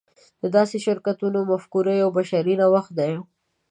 د داسې شرکتونو مفکوره یو بشري نوښت دی.